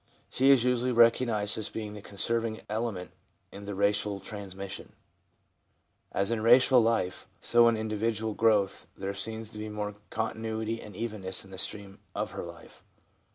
She is 9 6 THE PSYCHOLOGY OF RELIGION usually recognised as being the conserving element in racial transmission. As in racial life, so in individual growth there seems to be more continuity and evenness in the stream of her life.